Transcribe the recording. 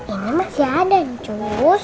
ini masih ada nih cus